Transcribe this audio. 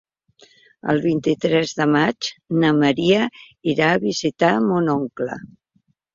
El vint-i-tres de maig na Maria irà a visitar mon oncle.